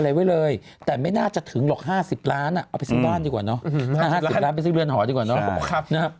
๕๐ล้านไปซื้อเรือนหอดีกว่าเนอะ